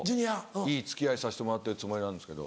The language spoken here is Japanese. いい付き合いさせてもらってるつもりなんですけど。